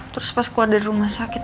terus pas aku ada di rumah sakit